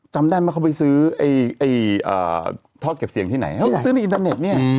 จำได้ไหมเขาไปซื้อไอ้ทอดเก็บเสียงที่ไหนซื้อในอินเทอร์เน็ตเนี่ย